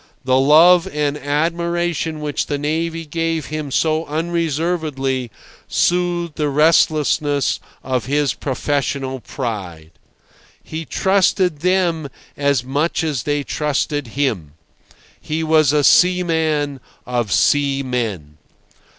The love and admiration which the navy gave him so unreservedly soothed the restlessness of his professional pride. He trusted them as much as they trusted him. He was a seaman of seamen.